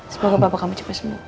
semoga bapak kami cepat sembuh